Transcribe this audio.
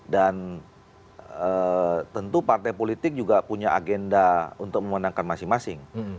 dan tentu partai politik juga punya agenda untuk memenangkan masing masing